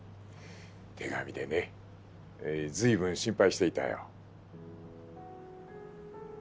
手紙でねずいぶん心配していたよ